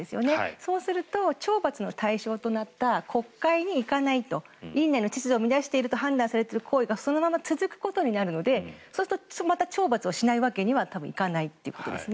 そうすると懲罰の対象となった国会に行かないと院内の秩序を乱していると判断された行為がそのまま続くことになるのでそうするとまた懲罰をしないわけにはいかないということですね。